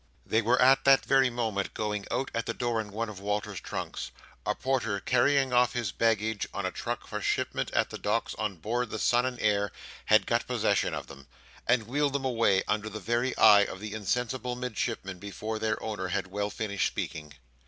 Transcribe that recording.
They were at that very moment going out at the door in one of Walter's trunks. A porter carrying off his baggage on a truck for shipment at the docks on board the Son and Heir, had got possession of them; and wheeled them away under the very eye of the insensible Midshipman before their owner had well finished speaking.